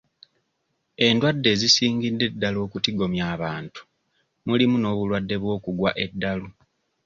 Endwadde ezisingidde ddala okutigomya abantu mulimu n'obulwadde bw'okugwa eddalu.